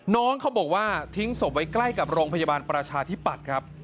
น้องเขาบอกว่าทิ้งศพไว้ใกล้กับโรงพยาบาลประชาธิปัตย์ครับ